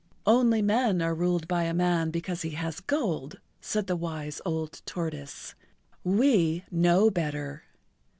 "Only men are ruled by a man because he has gold," said the wise old tortoise. "We know better.